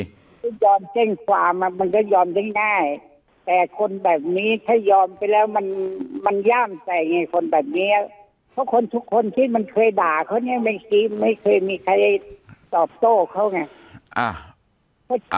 คือยอมแจ้งความมันก็ยอมได้ง่ายแต่คนแบบนี้ถ้ายอมไปแล้วมันย่ามใจไงคนแบบนี้เพราะคนทุกคนที่มันเคยด่าเขาเนี่ยไม่เคยมีใครตอบโต้เขาไง